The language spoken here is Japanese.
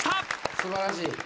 素晴らしい。